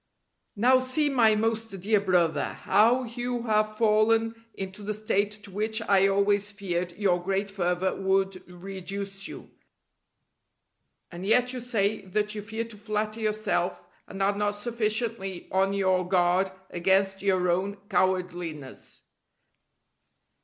] Now see, my most dear Brother, how you have fallen into the state to which I always feared your great fervour would reduce you. And yet you say that you fear to flatter yourself and are not sufficiently on your guard against your own cowardliness.